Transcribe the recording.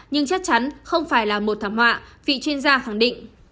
nhưng chắc chắn không phải là một thảm họa vị chuyên gia khẳng định